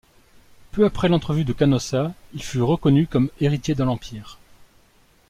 Peu après l'entrevue de Canossa, il fut reconnu comme héritier de l'Empire.